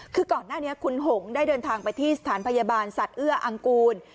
คือก่อนหน้านี้คุณหงได้เดินทางไปที่สถานพยาบาลสัตว์เอื้ออังกูล